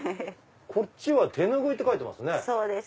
こっちは手拭いって書いてますね。